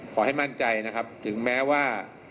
ขอให้มั่นใจนะครับถึงแม้ว่า